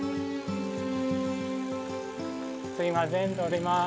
すみません通ります。